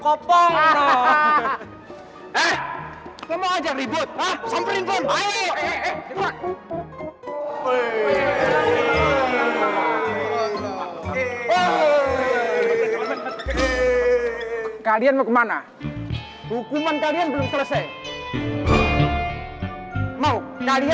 kalo kayak gini gimana gue mau masuk sekolah